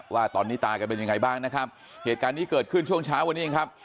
ว่าตอนนี้ตาแกเป็นยังไงบ้างนะครับเหตุการณ์นี้เกิดขึ้นช่วงเช้าวันนี้เองครับ